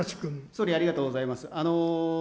総理、ありがとうございます。